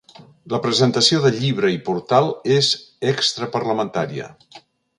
La presentació de llibre i portal és extraparlamentària.